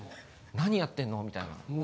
「何やってんの？」みたいな。